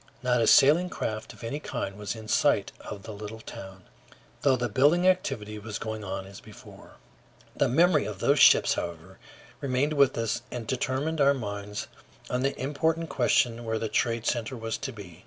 Not a sailing craft of any kind was in sight of the little town, though the building activity was going on as before. The memory of those ships, however, remained with us and determined our minds on the important question where the trade center was to be.